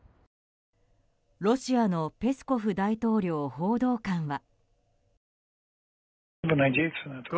ロシアのペスコフ大統領報道官は。